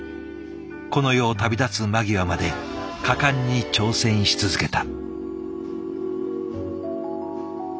この世を旅立つ間際まで果敢に挑戦し続けた。